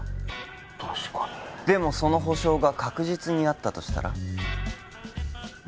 確かにでもその保証が確実にあったとしたら？